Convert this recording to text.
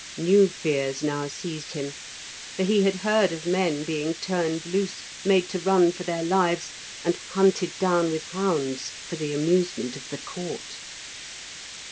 New fears now seized him, for he had heard of men being turned loose, made to run for their lives, and hunted down with hounds for the amusement of the Court.